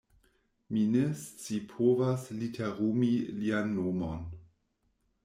Mi ne scipovas literumi lian nomon.